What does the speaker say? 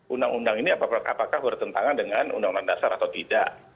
undang undang ini apakah bertentangan dengan undang undang dasar atau tidak